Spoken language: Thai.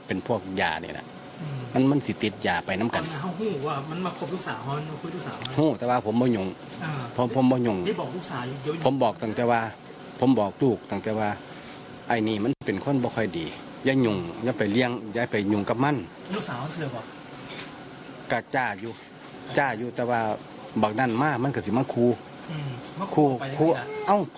เอ้าหัวมันจะหันมันกับมะครูเอา